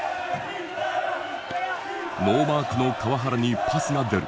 ノーマークの川原にパスが出る。